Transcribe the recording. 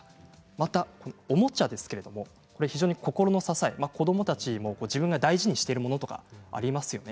また、おもちゃは心の支え子どもたちも自分が大事にしているものとかありますよね。